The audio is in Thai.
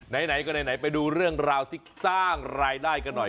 ไหนก็ไหนไปดูเรื่องราวที่สร้างรายได้กันหน่อย